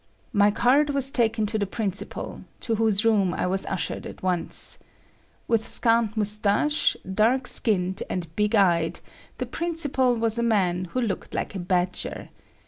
My card was taken to the principal, to whose room I was ushered at once. With scant mustache, dark skinned and big eyed, the principal was a man who looked like a badger.